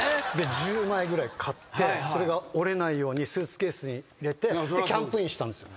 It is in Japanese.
１０枚ぐらい買ってそれが折れないようにスーツケースに入れてキャンプインしたんですよ。